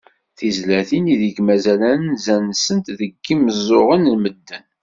Tizlatin ideg mazal anza-nsent deg yimeẓẓuɣen n medden.